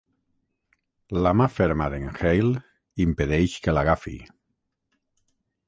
La mà ferma d'en Hale impedeix que l'agafi.